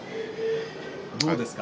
どうですか？